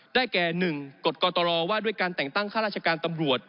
แก่๑กฎกตรว่าด้วยการแต่งตั้งข้าราชการตำรวจ